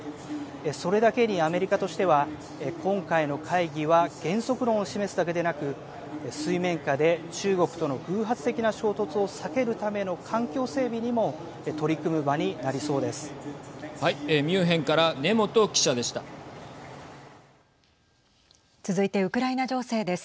それだけにアメリカとしては今回の会議は原則論を示すだけでなく水面下で中国との偶発的な衝突を避けるための環境整備にも取り組む場になりそうです。